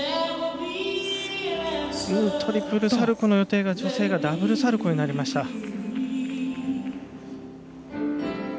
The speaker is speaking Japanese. トリプルサルコーの予定が女性がダブルサルコウになりました。